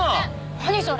何それ。